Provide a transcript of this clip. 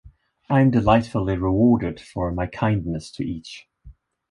I’m delightfully rewarded for my kindness to each!